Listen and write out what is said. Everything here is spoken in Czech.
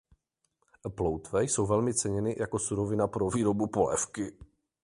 Ploutve jsou velmi ceněny jako surovina pro výrobu polévky.